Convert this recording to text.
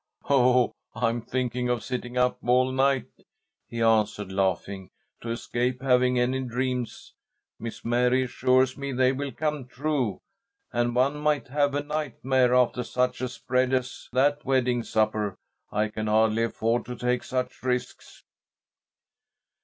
"Oh, I'm thinking of sitting up all night," he answered, laughing, "to escape having any dreams. Miss Mary assures me they will come true, and one might have a nightmare after such a spread as that wedding supper. I can hardly afford to take such risks."